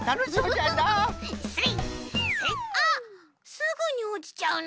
すぐにおちちゃうな。